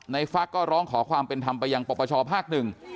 ในฟักธ์ก็ร้องขอความเป็นธรรมไปอย่างประถภ